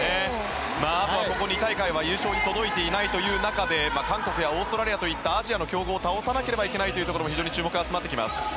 ここ２大会は優勝に届いていないという中で韓国やオーストラリアといったアジアの強豪を倒さなければいけないところにも非常に注目が集まってきます。